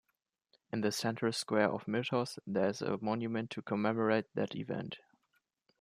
In the central square of Myrtos there is a monument to commemorate that event.